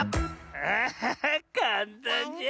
アハハかんたんじゃ。